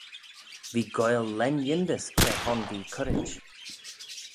V'ee goaill lane yindys cre hon v'ee currit.